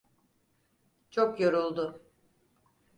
Çok yoruldu.